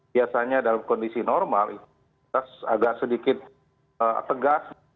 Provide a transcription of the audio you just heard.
biasanya dalam kondisi normal agak sedikit tegas